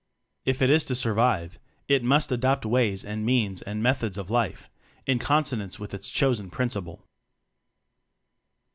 If it is to survive, it must adopt ways and means and methods of life in con sonance with its chosen principle.